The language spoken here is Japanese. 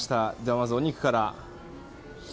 まずはお肉から。